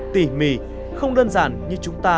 tỉ mỉ không đơn giản như chúng ta